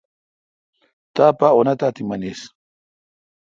تاپا انت آ تی منیس۔